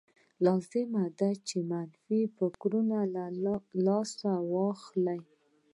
لازمه ده چې له منفي فکرونو لاس واخلئ.